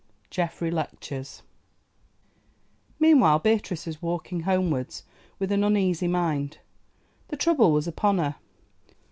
GEOFFREY LECTURES Meanwhile Beatrice was walking homewards with an uneasy mind. The trouble was upon her.